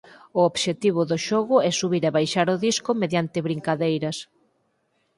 O obxectivo do xogo é subir e baixar o disco mediante brincadeiras.